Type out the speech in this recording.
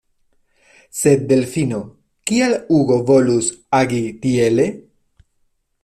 Sed, Delfino, kial Hugo volus agi tiele?